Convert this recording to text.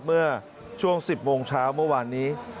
เมื่อช่วง๑๐โมงเช้าเมื่อวานนี้